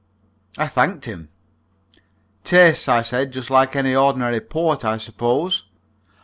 I thanked him. "Tastes," I said, "just like any ordinary port, I suppose?"